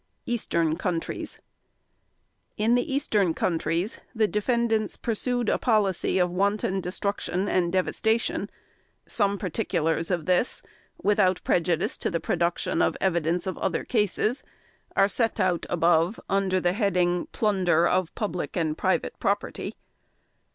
Eastern Countries: In the Eastern Countries the defendants pursued a policy of wanton destruction and devastation: some particulars of this (without prejudice to the production of evidence of other cases) are set out above under the heading "Plunder of Public and Private Property".